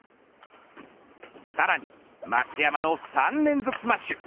さらに松山の３連続スマッシュ。